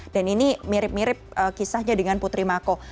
dan ini mirip mirip kisahnya dengan putri mako